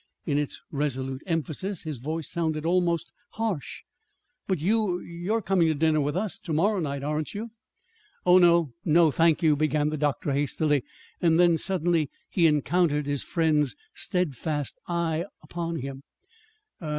In its resolute emphasis his voice sounded almost harsh. "But you you're coming to dinner with us to morrow night, aren't you?" "Oh, no; no, thank you," began the doctor hastily. Then, suddenly, he encountered his friend's steadfast eye upon him.